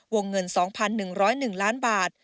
วงเงิน๒๑๐๑ล้านบาท